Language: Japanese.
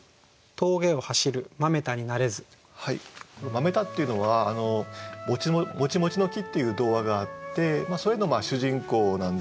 「豆太」っていうのは「モチモチの木」っていう童話があってそれの主人公なんですね。